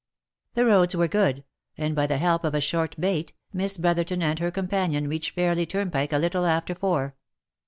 The roads were good, and by the help of a short bait, Miss Brother ton and her companion reached Fairly turnpike a little after four.